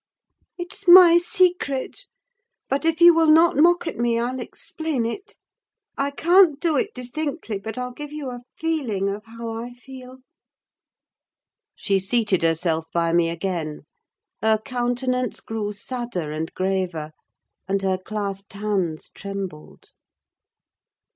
"It's my secret. But if you will not mock at me, I'll explain it: I can't do it distinctly; but I'll give you a feeling of how I feel." She seated herself by me again: her countenance grew sadder and graver, and her clasped hands trembled.